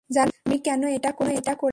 জানো, আমি কেন এটা করেছি?